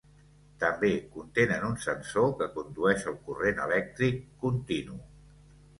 També contenen un sensor que condueix el corrent elèctric continu.